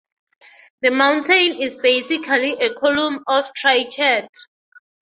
The mountain is basically a column of trachyte.